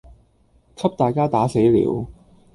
給大家打死了；